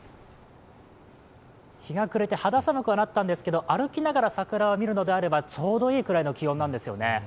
日が暮れて肌寒くなったんですが歩きながら桜を見るにはちょうどいいくらいの気温なんですよね。